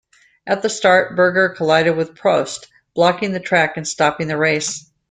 At the start, Berger collided with Prost, blocking the track and stopping the race.